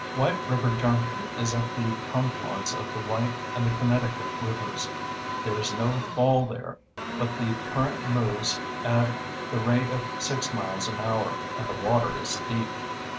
White River Junction is at the confluence of the White and the Connecticut rivers. There is no fall there, but the current moves at the rate of six miles an hour, and the water is deep.